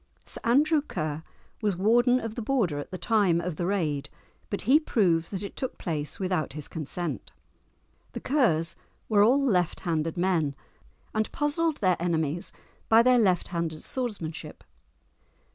Sir Andrew Ker was warden of the Border at the time of the raid, but he proved that it took place without his consent. The Kers were all left handed men, and puzzled their enemies by their left handed swordsmanship.